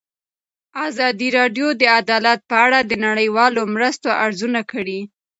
ازادي راډیو د عدالت په اړه د نړیوالو مرستو ارزونه کړې.